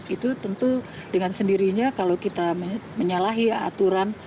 itu tentu dengan sendirinya kalau kita menyalahi aturan